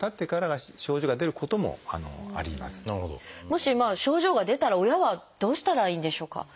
もし症状が出たら親はどうしたらいいんでしょうか？